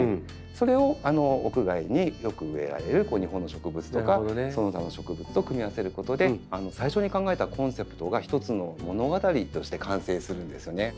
それを屋外によく植えられる日本の植物とかその他の植物と組み合わせることで最初に考えたコンセプトが一つの物語として完成するんですよね。